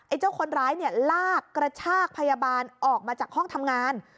เจ้าคนร้ายเนี่ยลากกระชากพยาบาลออกมาจากห้องทำงาน